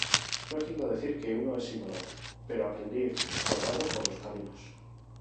No es lindo decir que uno es ignorante, pero aprendí rodando por los caminos.